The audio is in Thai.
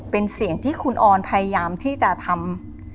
เป็นเสียงที่คุณออนพยายามที่จะทำ